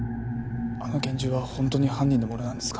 あの拳銃は本当に犯人のものなんですか？